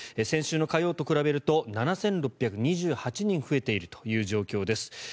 先週の火曜と比べると７６２８人増えている状況です。